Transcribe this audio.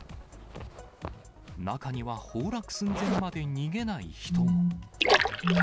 中には崩落寸前まで逃げない人も。